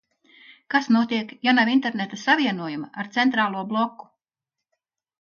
Kas notiek, ja nav interneta savienojuma ar centrālo bloku?